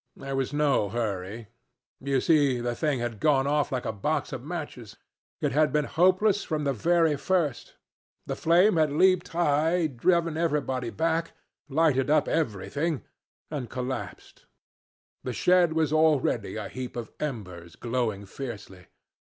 There was no hurry. You see the thing had gone off like a box of matches. It had been hopeless from the very first. The flame had leaped high, driven everybody back, lighted up everything and collapsed. The shed was already a heap of embers glowing fiercely.